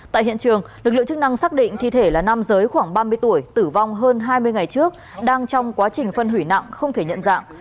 tại hiện trường lực lượng chức năng xác định thi thể là nam giới khoảng ba mươi tuổi tử vong hơn hai mươi ngày trước đang trong quá trình phân hủy nặng không thể nhận dạng